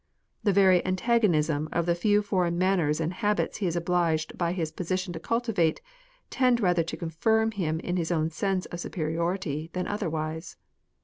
The very antagonism of the few foreign manners and habits he is obliged by his position to cultivate, tend rather to confirm him in his own sense of superiority than otherwise.